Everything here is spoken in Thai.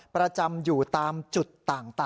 ประจำอยู่ตามจุดต่าง